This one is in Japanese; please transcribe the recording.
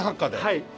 はい。